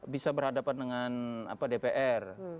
bisa berhadapan dengan dpr